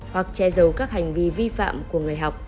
hoặc che giấu các hành vi vi phạm của người học